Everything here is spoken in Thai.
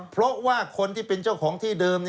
เพราะว่าคนที่เป็นเจ้าของที่เดิม